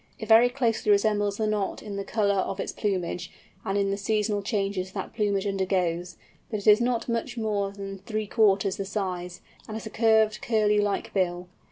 It very closely resembles the Knot in the colour of its plumage, and in the seasonal changes that plumage undergoes, but it is not much more than three fourths the size, and has a curved Curlew like bill.